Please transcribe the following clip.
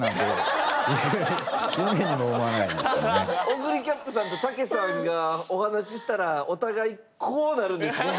オグリキャップさんと武さんがお話ししたらお互いこうなるんですね！